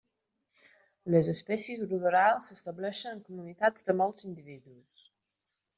Les espècies ruderals s'estableixen en comunitats de molts individus.